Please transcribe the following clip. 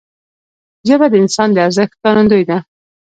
ژبه د انسان د ارزښت ښکارندوی ده